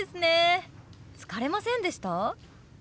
疲れませんでした？